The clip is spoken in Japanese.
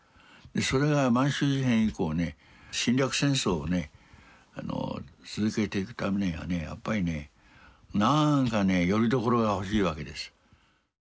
それが満州事変以降ね侵略戦争をね続けていくためにはねやっぱりねなんかねよりどころが欲しいわけです。